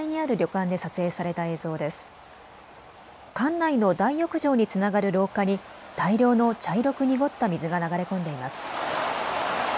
館内の大浴場につながる廊下に大量の茶色く濁った水が流れ込んでいます。